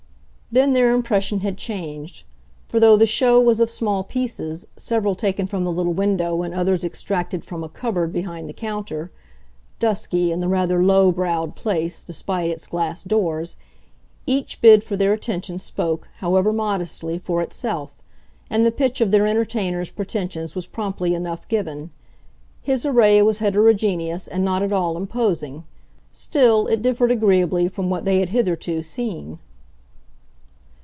Then their impression had changed; for, though the show was of small pieces, several taken from the little window and others extracted from a cupboard behind the counter dusky, in the rather low browed place, despite its glass doors each bid for their attention spoke, however modestly, for itself, and the pitch of their entertainer's pretensions was promptly enough given. His array was heterogeneous and not at all imposing; still, it differed agreeably from what they had hitherto seen.